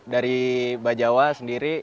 dari bajawa sendiri